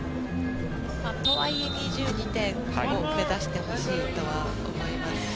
とはいえ２２点を目指してほしいとは思います。